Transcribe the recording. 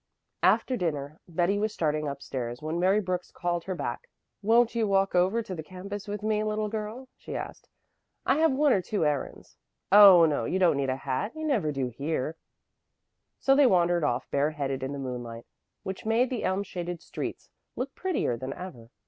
After dinner Betty was starting up stairs when Mary Brooks called her back. "Won't you walk over to the campus with me, little girl?" she asked. "I have one or two errands. Oh no, you don't need a hat. You never do here." So they wandered off bareheaded in the moonlight, which made the elm shaded streets look prettier than ever.